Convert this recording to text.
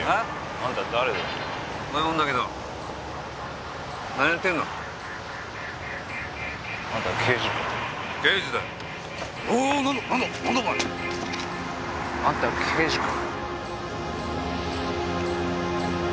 あんた刑事か？